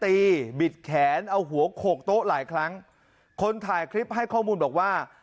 บิดแขนเอาหัวโขกโต๊ะหลายครั้งคนถ่ายคลิปให้ข้อมูลบอกว่า